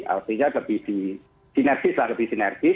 artinya lebih disinergis lah lebih sinergis